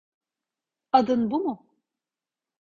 Adın bu mu?